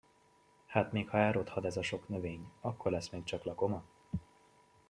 Hát még ha elrothad ez a sok növény, akkor lesz még csak lakoma!